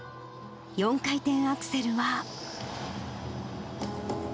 ４回転アクセルは。